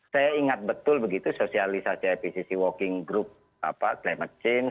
saya ingat betul begitu sosialisasi ipcc working group climate change